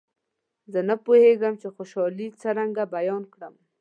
زه نه پوهېږم چې خوشالي څرنګه بیان کړم.